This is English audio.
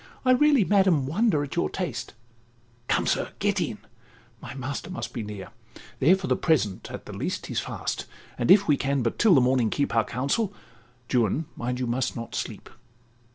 I really, madam, wonder at your taste (Come, sir, get in)—my master must be near: There, for the present, at the least, he's fast, And if we can but till the morning keep Our counsel—(Juan, mind, you must not sleep).